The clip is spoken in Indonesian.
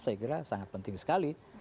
saya kira sangat penting sekali